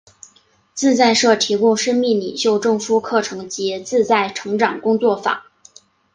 自在社提供生命领袖证书课程及自在成长工作坊。